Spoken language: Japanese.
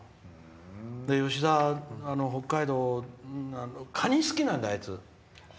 吉田、北海道かに、好きなんだよ、あいつ。